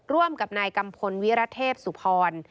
ร่วมกับนายกัมพลวิรเทพสุพร